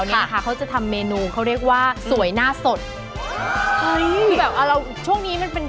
เราจะทำเมนูจากอัวโหคันโด